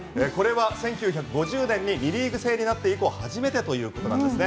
１９５０年に２リーグ制になって以降初めてということなんですね